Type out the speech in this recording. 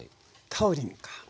「タウリン」か。